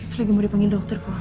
aku lagi mau dipanggil dokter pa